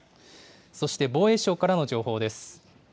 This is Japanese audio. そして防衛省からの情報です。